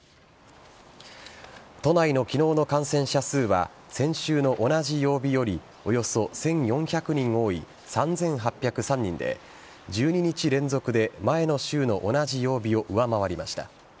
都内の昨日の感染者数は先週の同じ曜日よりおよそ１４００人多い３８０３人で１２日連続で前の週の同じ曜日を上回りました。